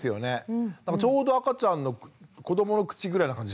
ちょうど赤ちゃんの子どもの口ぐらいな感じしません？